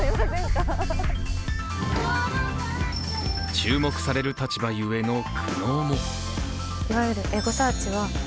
注目される立場ゆえの苦悩も。